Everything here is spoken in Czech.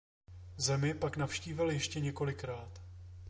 Zemi pak navštívil ještě několikrát.